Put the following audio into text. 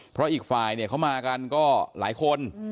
เพราะอีกฝ่ายเนี่ยเขามากันก็หลายคน